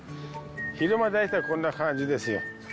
昼間、大体こんな感じですよ。